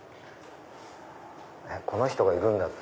この人がいるんだって。